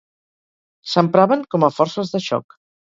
S'empraven com a forces de xoc.